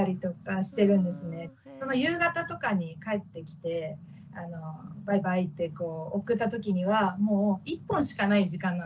夕方とかに帰ってきてバイバイって送ったときにはもう１本しかない時間なんですね